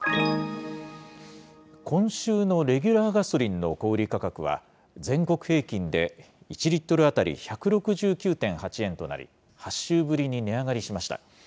今週のレギュラーガソリンの小売り価格は、全国平均で１リットル当たり１６９．８円となり、８週ぶりに値上がりしました。